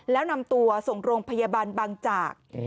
แล้วนำตัวส่งโรงพยาบาลบางจาก